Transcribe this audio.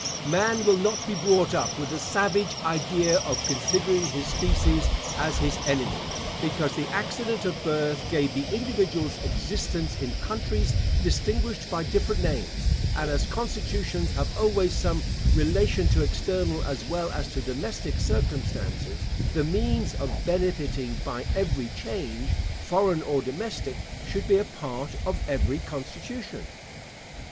Man will not be brought up with the savage idea of considering his species as his enemy, because the accident of birth gave the individuals existence in countries distinguished by different names; and as constitutions have always some relation to external as well as to domestic circumstances, the means of benefitting by every change, foreign or domestic, should be a part of every constitution.